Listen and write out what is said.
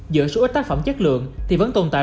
dựa số ít tác phẩm chất lượng thì vẫn tồn tại